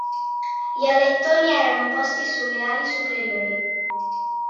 Gli alettoni erano posti sulle ali superiori.